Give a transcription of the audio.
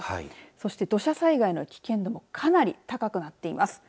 そして土砂災害の危険度もかなり高くなっています。